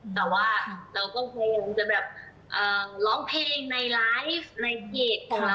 แต่ว่าเราก็คงจะแบบร้องเพลงในไลฟ์ในเพจของเรา